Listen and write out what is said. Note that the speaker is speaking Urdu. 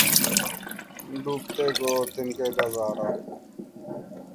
ڈیںبتیں کیں تنکیں کا سہارا